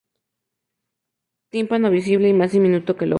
Tímpano visible y más diminuto que el ojo.